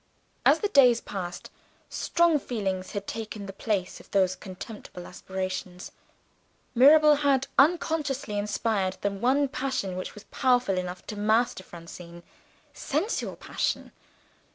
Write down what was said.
As the days passed, strong feeling had taken the place of those contemptible aspirations: Mirabel had unconsciously inspired the one passion which was powerful enough to master Francine sensual passion.